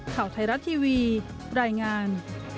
ข่าวไทยรัฐทีวีรายงาน